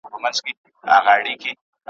چي له مېړونو مېنه خالي سي `